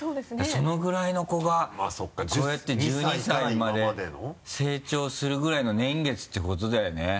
そのぐらいの子がこうやって１２歳まで成長するぐらいの年月っていうことだよね。